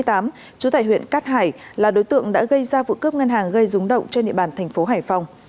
trú tại huyện cát hải là đối tượng đã gây ra vụ cướp ngân hàng gây rúng động trên địa bàn thành phố hải phòng